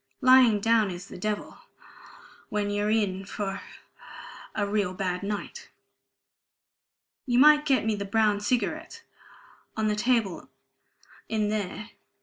"Lying down is the devil ... when you're in for a real bad night. You might get me the brown cigarettes ... on the table in there.